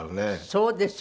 そうです。